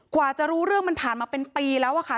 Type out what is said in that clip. กว่าจะรู้เรื่องมันผ่านมาเป็นปีแล้วอะค่ะ